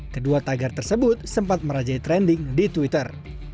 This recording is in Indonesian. kedua tagar tersebut sempat merajai trending di twitter